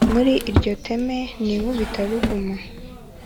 muri iryo teme n’inkubitaruguma